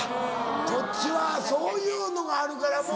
こっちはそういうのがあるからもう。